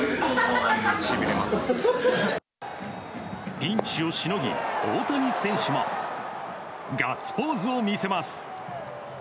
ピンチをしのぎ大谷選手はガッツポーズを見せます。